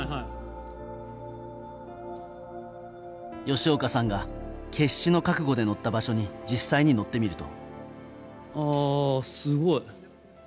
吉岡さんが決死の覚悟で乗った場所に実際に乗ってみると。